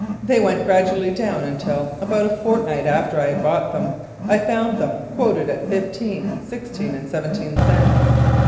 They went gradually down until, about a fortnight after I had bought them, I found them quoted at fifteen, sixteen and seventeen cents.